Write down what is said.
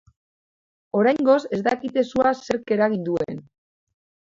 Oraingoz, ez dakite sua zerk eragin duen.